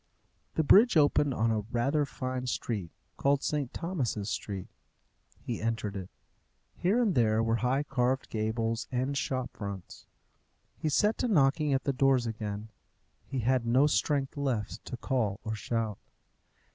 The bridge opened on a rather fine street called St. Thomas's Street. He entered it. Here and there were high carved gables and shop fronts. He set to knocking at the doors again: he had no strength left to call or shout.